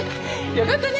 よかったね